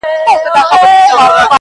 څه وکړمه لاس کي مي هيڅ څه نه وي,